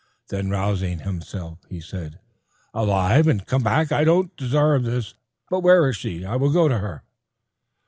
Then rousing himself, he said, "Alive and come back! I don't desarve this. But where is she? I will go to her."